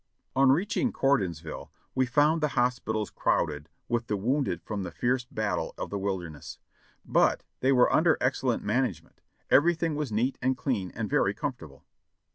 On reaching Gordonsville we found the hospitals crowded with the wounded from the fierce battle of the Wilderness, but they were under excellent management ; everything was neat and clean and very comfortable.